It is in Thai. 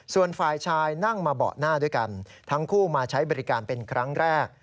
ส่วนฝ่ายชายนั่งมาเบาะหน้าด้วยกันทั้งคู่มาใช้บริการเป็นครั้งแรก